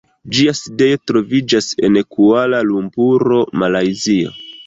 Ĝia sidejo troviĝas en Kuala-Lumpuro, Malajzio.